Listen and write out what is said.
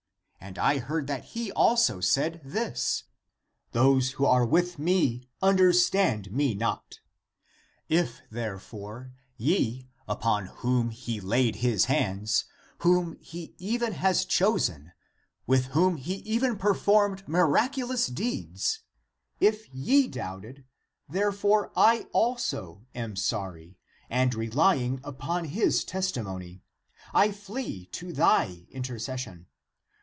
^^ And I heard that he also said this : Those who are with me, understood me not.^^ If, therefore, ye, upon whom he laid his hands,^^ whom he even has cho sen, with whom he even performed miraculous deeds — if ye doubted, therefore I also am sorry, and relying upon his testimony, I flee to thy inter cession.